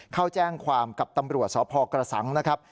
เข้าแจ้งความกับตำรวจสพกระสังนะครับ